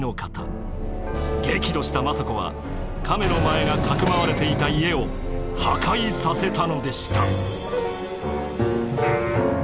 激怒した政子は亀の前がかくまわれていた家を破壊させたのでした。